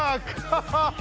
ハハハハハ。